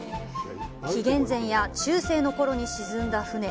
紀元前や中世の頃に沈んだ船。